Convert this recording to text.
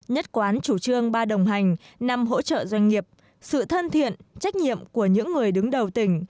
nhất quán chủ trương ba đồng hành năm hỗ trợ doanh nghiệp sự thân thiện trách nhiệm của những người đứng đầu tỉnh